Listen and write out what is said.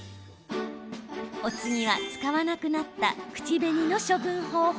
お次は、使わなくなった口紅の処分方法。